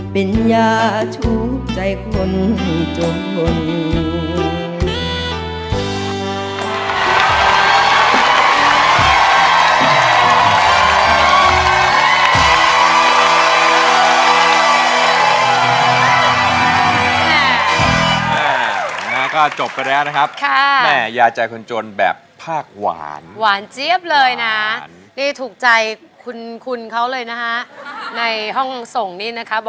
เป็นยาทุกข์ใจคนจนหมด